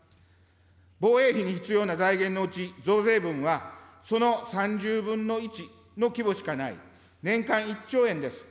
防衛費に必要な財源のうち、増税分は、その３０分の１の規模しかない、年間１兆円です。